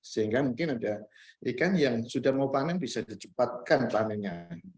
sehingga mungkin ada ikan yang sudah mau panen bisa dicepatkan panennya